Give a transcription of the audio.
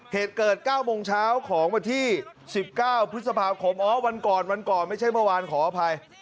เหตุเกิด๙โมงเช้าของวันที่๑๙พฤษภาคมอ๋อวันก่อนวันก่อนไม่ใช่เมื่อวานขออภัย